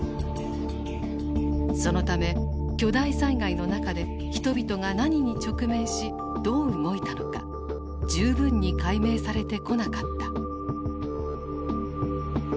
そのため巨大災害の中で人々が何に直面しどう動いたのか十分に解明されてこなかった。